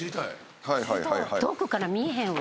遠くから見えへんわ。